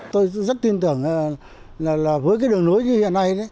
tôi rất tin tưởng là với cái đường nối như hiện nay